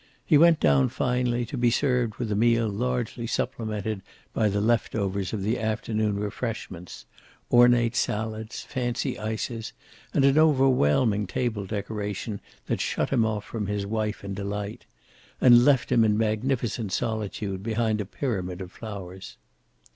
He went down finally, to be served with a meal largely supplemented by the left overs of the afternoon refreshments, ornate salads, fancy ices, and an overwhelming table decoration that shut him off from his wife and Delight, and left him in magnificent solitude behind a pyramid of flowers.